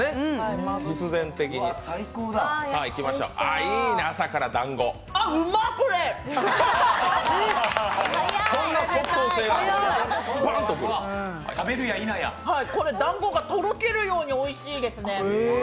だんごがとろけるようにおいしいですね。